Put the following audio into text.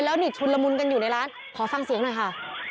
แล้วนี่ชุนละมุนกันอยู่ในร้านขอฟังเสียงหน่อยค่ะ